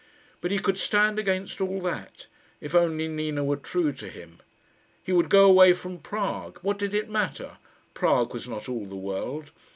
But he could stand against all that, if only Nina were true to him. He would go away from Prague. What did it matter? Prague was not all the world.